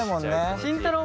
慎太郎も。